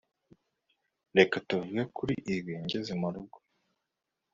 Reka tuvuge kuri ibi ngeze murugo